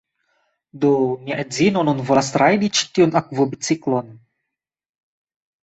Do, mia edzino nun volas rajdi ĉi tiun akvobiciklon